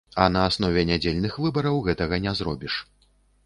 А на аснове нядзельных выбараў гэтага не зробіш.